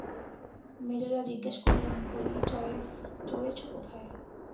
মেজো জা জিজ্ঞাসা করলেন, বলি চলেছ কোথায়?